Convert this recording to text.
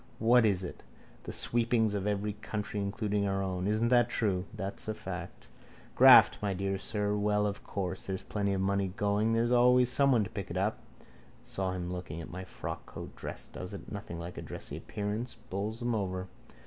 What is it? The sweepings of every country including our own. Isn't that true? That's a fact. Graft, my dear sir. Well, of course, where there's money going there's always someone to pick it up. Saw him looking at my frockcoat. Dress does it. Nothing like a dressy appearance. Bowls them over.